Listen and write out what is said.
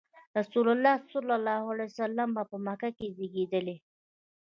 رسول الله ﷺ په مکه کې زېږېدلی.